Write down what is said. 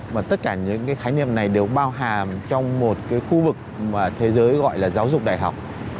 mà tất cả những cái khái niệm này đều bao hàm trong một cái khu vực mà thế giới gọi là giáo dục đại học